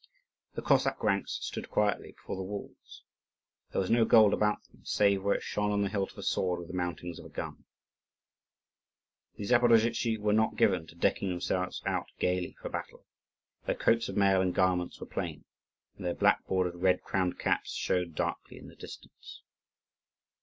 The Cossack ranks stood quietly before the walls. There was no gold about them, save where it shone on the hilt of a sword or the mountings of a gun. The Zaporozhtzi were not given to decking themselves out gaily for battle: their coats of mail and garments were plain, and their black bordered red crowned caps showed darkly in the distance.